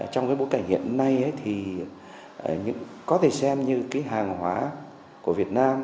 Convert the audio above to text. trong bối cảnh hiện nay thì có thể xem như hàng hóa của việt nam